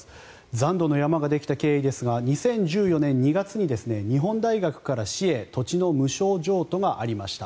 残土の山ができた経緯ですが２０１４年２月に日本大学から市へ土地の無償譲渡がありました。